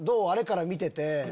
あれから見てて。